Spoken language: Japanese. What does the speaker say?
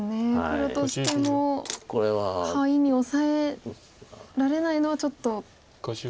黒としてもハイにオサえられないのはちょっとつらい。